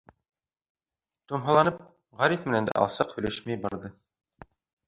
Томһаланып, Ғариф менән дә алсаҡ һөйләшмәй барҙы.